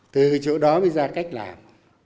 từ chỗ đó mới ra cách làm